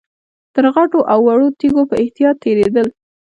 تر غټو او وړو تيږو په احتياط تېرېدل.